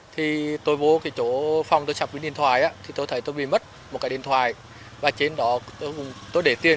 thì tôi vô cái chỗ phòng tôi sắp vớin điện thoại thì tôi thấy tôi bị mất một cái điện thoại và trên đó tôi để tiền